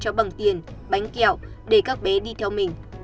phi đưa bằng tiền bánh kẹo để các bé đi theo mình